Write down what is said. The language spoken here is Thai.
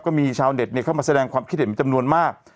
ก็มีชาวเด็กเนี่ยเข้ามาแสดงความคิดเห็นจำนวนมาก